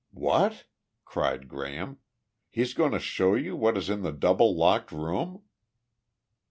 "What?" cried Graham. "He's going to show you what is in the double locked room?"